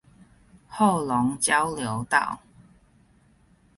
後龍交流道